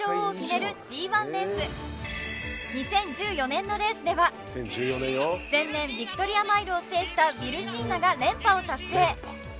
２０１４年のレースでは前年ヴィクトリアマイルを制したヴィルシーナが連覇を達成